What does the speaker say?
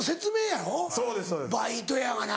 バイトやがな